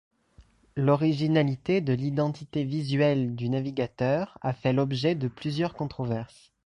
L'originalité de l'identité visuelle du navigateur a fait l'objet de plusieurs controverses.